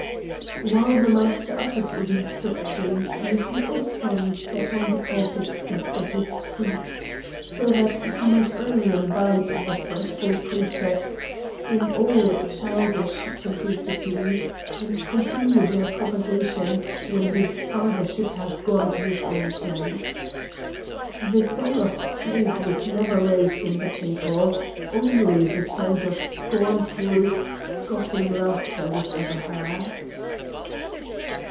While the Master uttered these doctrines his little son sat on the pulpit steps at his feet, so that he might early imbibe the frightful precepts in all childish simplicity, and continue their propagation when his father should have gone to his own place. The song of praise was never raised in that chapel; only the sound of scornful, scoffing laughter was ever heard.